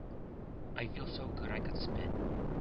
I feel so good I could spit.